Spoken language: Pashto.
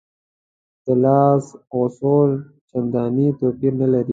د لاس غوڅول چندانې توپیر نه لري.